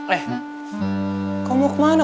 eh kau mau kemana